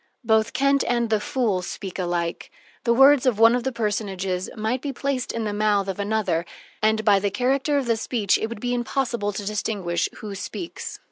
Both Kent and the fool speak alike. The words of one of the personages might be placed in the mouth of another, and by the character of the speech it would be impossible to distinguish who speaks.